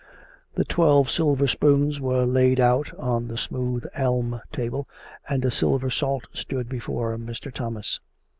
The twelve silver spoons were laid out on the smooth elm table, and a silver salt stood before Mr. Thomas.